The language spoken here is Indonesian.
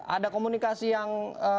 ada komunikasi yang